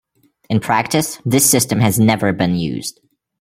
In practice, this system has never been used.